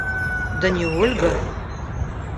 Да не Ольга!